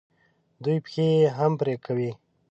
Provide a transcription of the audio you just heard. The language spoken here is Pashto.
دوی پښې یې هم پرې کوي.